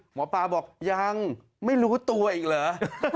หมอปลาบอกยังไม่รู้ตัวอีกเหรอ